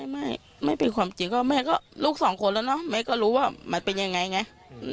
ไม่ไม่เป็นความจริงก็แม่ก็ลูกสองคนแล้วเนาะแม่ก็รู้ว่ามันเป็นยังไงไง